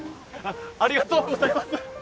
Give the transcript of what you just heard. ありがとうございます！